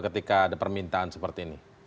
ketika ada permintaan seperti ini